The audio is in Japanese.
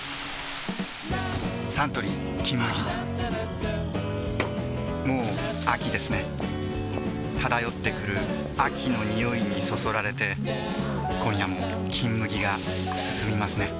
サントリー「金麦」もう秋ですね漂ってくる秋の匂いにそそられて今夜も「金麦」がすすみますね